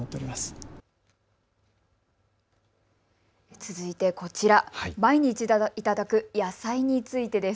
続いてこちら、毎日いただく野菜についてです。